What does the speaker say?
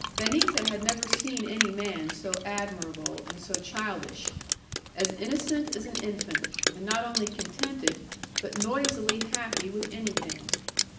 Benita had never seen any man so admirable, and so childish. As innocent as an infant; and not only contented, but noisily happy with anything.